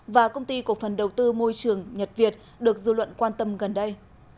và công ty cổ phần đầu tư môi trường nhật việt được dư luận quan tâm gần đây